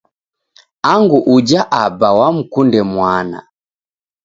Angu uja aba wamkunde mwana